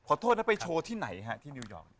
ขอโทษนะไปโชว์ที่ไหนฮะที่นิวยอร์ก